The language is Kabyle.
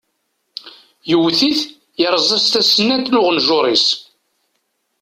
Yewwet-it yerẓa-as tasennant n uɣenjuṛ-is.